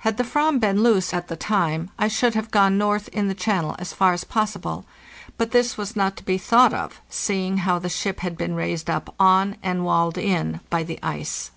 Had the /vam been loose at the time I should have gone north in the channel as far as possible; but this was not to be thought of, seeing how the ship had been raised up on and walled in by the ice.